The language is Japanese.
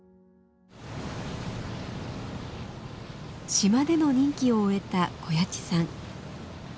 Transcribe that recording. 島での任期を終えた小谷内さん。